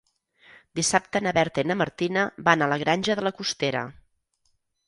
Dissabte na Berta i na Martina van a la Granja de la Costera.